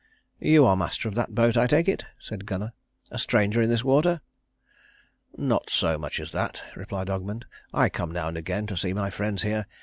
"You are the master of that boat, I take it?" said Gunnar. "A stranger in this water?" "Not so much as that," replied Ogmund. "I come now and again to see my friends here.